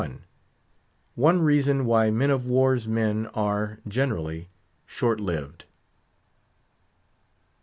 ONE REASON WHY MEN OF WAR'S MEN ARE, GENERALLY, SHORT LIVED.